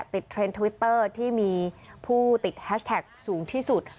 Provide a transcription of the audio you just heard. เทรนด์ทวิตเตอร์ที่มีผู้ติดแฮชแท็กสูงที่สุด